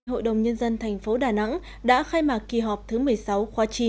hội đồng nhân dân thành phố đà nẵng đã khai mạc kỳ họp thứ một mươi sáu khóa chín